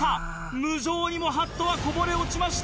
無情にもハットはこぼれ落ちました。